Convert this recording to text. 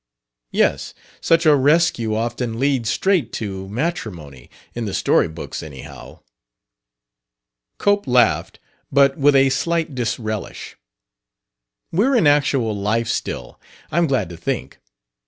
"Yes. Such a rescue often leads straight to matrimony in the story books, anyhow." Cope laughed, but with a slight disrelish. "We're in actual life still, I'm glad to think.